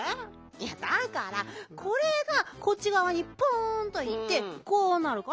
いやだからこれがこっちがわにポンといってこうなるからこうだろ？